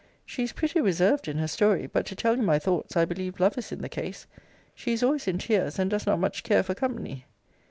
She is pretty reserved in her story: but, to tell you my thoughts, I believe love is in the case: she is always in tears, and does not much care for company.